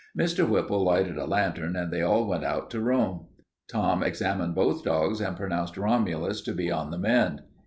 Mr. Whipple lighted a lantern and they all went out to Rome. Tom examined both dogs and pronounced Romulus to be on the mend.